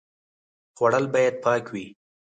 خوړل باید پاک وي